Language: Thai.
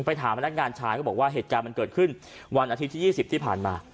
ถามพนักงานชายก็บอกว่าเหตุการณ์มันเกิดขึ้นวันอาทิตย์ที่๒๐ที่ผ่านมา